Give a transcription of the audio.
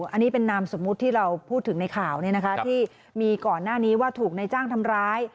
อันนี้เป็นนามสมมุติที่เราพูดถึงในข่าวที่มีก่อนหน้านี้ว่าถูกในจ้างทำร้าย